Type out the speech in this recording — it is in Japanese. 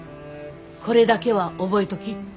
これだけは覚えとき。